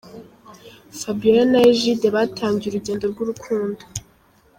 Fabiola na Egide batangiye urugendo rw'urukundo.